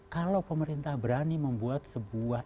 kalau pemerintah berani membuat sebuah